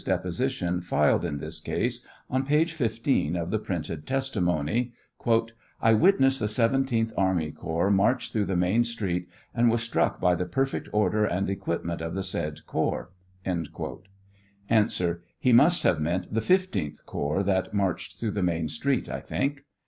deposition filed in this case, on page 15 of the printed testimony : "1 witnessed the 17th army corps march 54 through the main _street, and was struck by the perfect order and equipment of the said corps?" A. He must have meant the 15th corps that marched through the main street, I think.